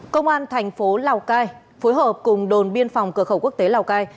công an thành phố lào cai phối hợp cùng đồn biên phòng cửa khẩu quốc tế lào cai